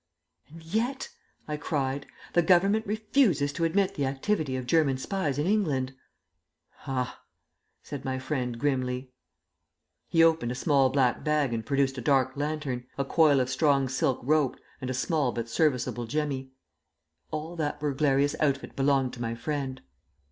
"And yet," I cried, "the Government refuses to admit the activity of German spies in England!" "Ha!" said my friend grimly. He opened a small black bag and produced a dark lantern, a coil of strong silk rope, and a small but serviceable jemmy. All that burglarious outfit belonged to my friend!